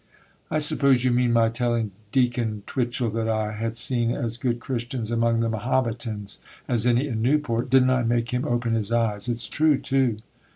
'I suppose you mean my telling Deacon Twitchel that I had seen as good Christians among the Mahometans as any in Newport. Didn't I make him open his eyes? It's true, too!